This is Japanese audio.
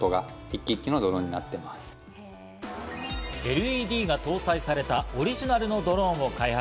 ＬＥＤが搭載されたオリジナルのドローンを開発。